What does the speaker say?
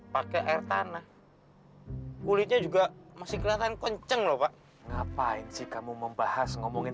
pakai air tanah kulitnya juga masih kelihatan kenceng lho pak ngapain sih kamu membahas ngomongin